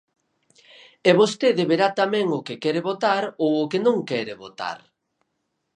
E vostede verá tamén o que quere votar ou o que non quere votar.